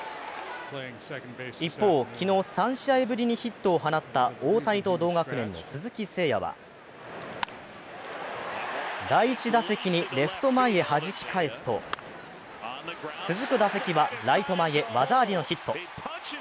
一方、昨日３試合ぶりにヒットを放った大谷と同学年の鈴木誠也は第１打席にレフト前へはじき返すと、続く打席はライト前へ技ありのヒット。